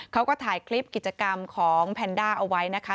เขาก็ถ่ายคลิปกิจกรรมของแพนด้าเอาไว้นะคะ